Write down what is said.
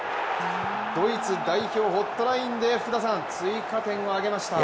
ドイツ代表ホットラインで追加点を挙げました。